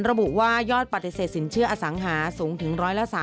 ระบุว่ายอดปฏิเสธสินเชื่ออสังหาสูงถึง๑๓